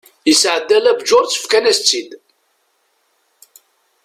yesɛedda la bǧurse fkan-as-tt-id